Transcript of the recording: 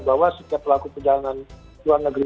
bahwa setiap pelaku perjalanan luar negeri